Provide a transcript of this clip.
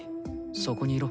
そこにいろ。